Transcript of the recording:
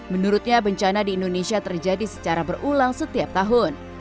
menurutnya bencana di indonesia terjadi secara berulang setiap tahun